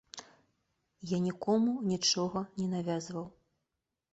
Я нікому нічога не навязваў.